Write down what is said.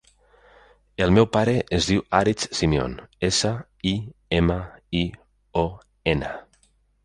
El meu pare es diu Aritz Simion: essa, i, ema, i, o, ena.